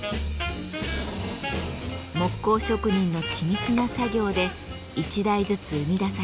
木工職人の緻密な作業で一台ずつ生み出されます。